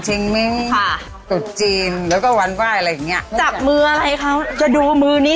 เธอบอกมือยังดีอยู่เลยจับมือกันนิ่มกว่ากูพี่